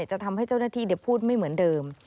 จะทำให้เจ้าหน้าที่พูดไม่เหมือนเดิม